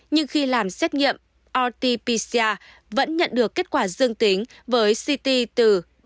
nhưng khi làm xét nghiệm rt pcr vẫn nhận được kết quả dương tính với ct từ ba mươi